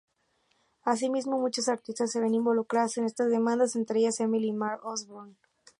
Asimismo, muchas artistas se ven involucradas en estas demandas, entre ellas, Emily Mary Osborn.